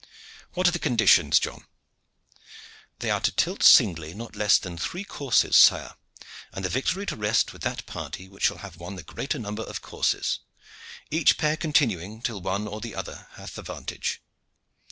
What are the conditions, John?" "They are to tilt singly not less than three courses, sire, and the victory to rest with that party which shall have won the greater number of courses, each pair continuing till one or other have the vantage.